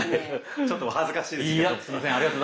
ちょっとお恥ずかしいです。